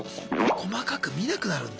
細かく見なくなるんだ。